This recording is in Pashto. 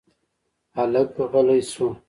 هلک غلی شو.